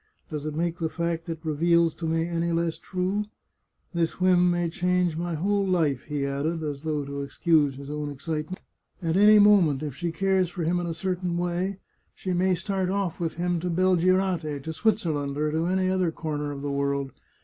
" Does it make the fact it reveals to me any less true ? This whim may change my whole life," he added, as though to excuse his own excitement. " At any moment, if she cares for him in a certain way, she may start oflf with him to Belgirate, to Switzerland, or to any other corner of the world.